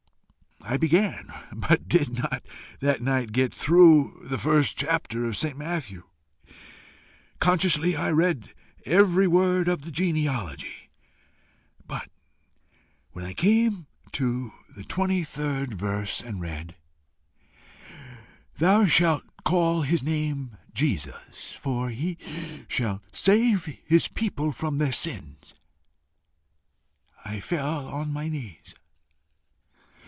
I began, but did not that night get through the first chapter of St. Matthew. Conscientiously I read every word of the genealogy, but when I came to the twenty third verse and read: 'Thou shalt call his name Jesus; FOR HE SHALL SAVE HIS PEOPLE FROM THEIR SINS,' I fell on my knees.